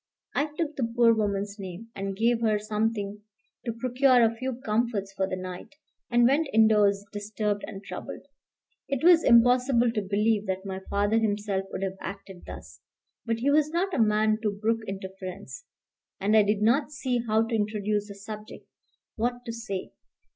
I took the poor woman's name, and gave her something to procure a few comforts for the night, and went indoors disturbed and troubled. It was impossible to believe that my father himself would have acted thus; but he was not a man to brook interference, and I did not see how to introduce the subject, what to say.